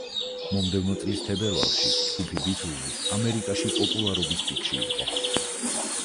მომდევნო წლის თებერვალში ჯგუფი „ბითლზი“ ამერიკაში პოპულარობის პიკში იყო.